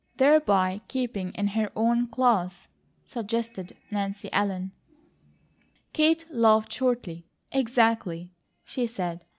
"Thereby keeping in her own class," suggested Nancy Ellen. Kate laughed shortly. "Exactly!" she said.